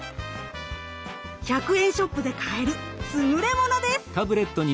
１００円ショップで買える優れものです。